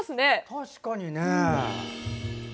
確かにね。